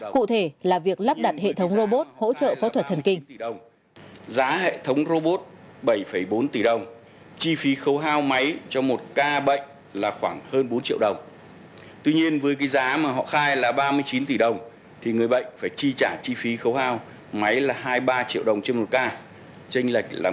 cụ thể là việc lắp đặt hệ thống robot hỗ trợ phó thuật thần kinh